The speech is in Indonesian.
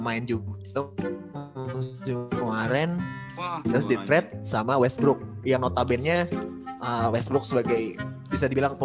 main juga tuh kemarin terus ditret sama westbrook yang notabene westbrook sebagai bisa dibilang